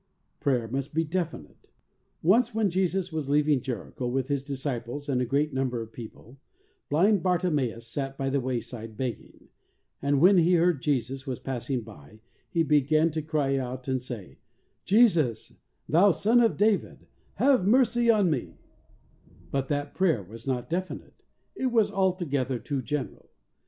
Prayer must be definite. Once, when Jesus was leaving Jericho with His disciples and a great number of people, blind Bar timeus sat by the wayside begging, and when he heard Jesus was passing by, he began to cry out and say : "Jesus, Thou Son of David, have mercy on me," but that prayer was not definite — it was alto gether too general.